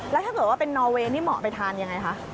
แล้วถ้าเกิดว่าเป็นนอเวย์นี่เหมาะไปทานยังไงคะ